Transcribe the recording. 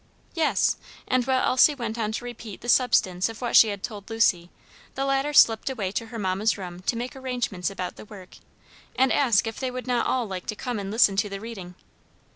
"Yes," and while Elsie went on to repeat the substance of what she had told Lucy, the latter slipped away to her mamma's room to make arrangements about the work, and ask if they would not all like to come and listen to the reading.